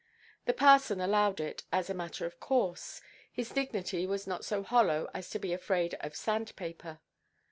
The parson allowed it as a matter of course. His dignity was not so hollow as to be afraid of sand–paper.